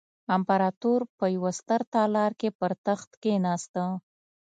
امپراتور په یوه ستر تالار کې پر تخت کېناسته.